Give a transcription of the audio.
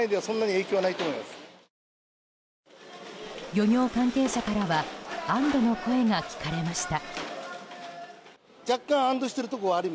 漁業関係者からは安堵の声が聞かれました。